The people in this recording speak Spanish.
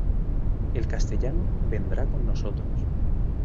El castellano vendrá con nosotros.